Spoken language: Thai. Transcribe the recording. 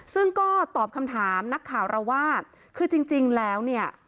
ซึ่งก็ตอบคำถามนักข่าวเราว่าคือจริงแล้วเนี่ย